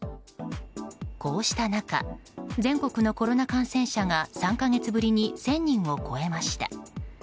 こうした中、全国のコロナ感染者が３か月ぶりに１０００人を超えました。